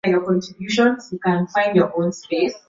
mwaka elfu mbili na saba Lugha rasmi ni lugha iliyopewa